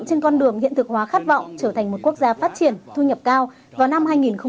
trên con đường hiện thực hóa khát vọng trở thành một quốc gia phát triển thu nhập cao vào năm hai nghìn năm mươi